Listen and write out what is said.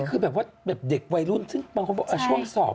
คือแบบว่าแบบเด็กวัยรุ่นซึ่งบางคนบอกช่วงสอบ